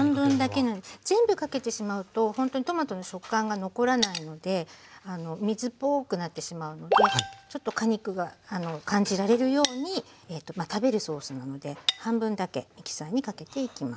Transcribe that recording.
全部かけてしまうとほんとにトマトの食感が残らないので水っぽくなってしまうのでちょっと果肉が感じられるようにまあ食べるソースなので半分だけミキサーにかけていきます。